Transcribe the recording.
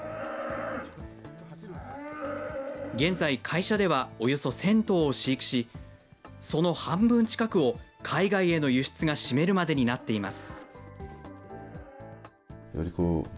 現在、会社ではおよそ１０００頭を飼育し、その半分近くを海外への輸出が占めるまでになっています。